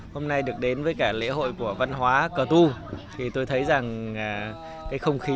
hôm nay được đến với cả lễ hội của văn hóa cờ tu thì tôi thấy rằng cái không khí